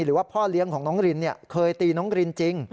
หรือว่าพ่อเลี้ยงของน้องรินเคยตีน้องรินจริง